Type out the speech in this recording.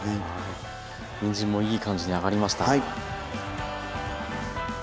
にんじんもいい感じに揚がりました。